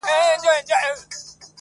د ټپې په رزم اوس هغه ده پوه سوه.